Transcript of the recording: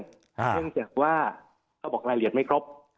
เนื่องจากว่าเขาบอกรายละเอียดไม่ครบ